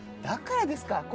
だからですか！